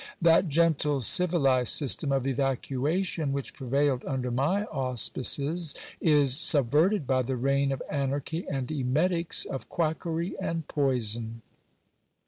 That gentle, civilized system of evacuation which prevailed under my auspices is subverted by the reign of anarchy and emetics, of quackery and poison.